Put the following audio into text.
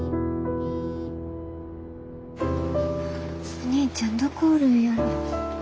お兄ちゃんどこおるんやろ？